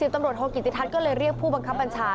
ตำรวจโทกิติทัศน์ก็เลยเรียกผู้บังคับบัญชา